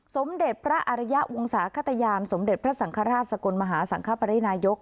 สมเด็จพระอารยะวงศาขตยานสมเด็จพระสังฆราชสกลมหาสังคปรินายก